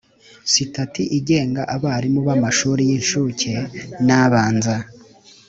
sitati igenga abarimu b’amashuri y’incuke n’abanza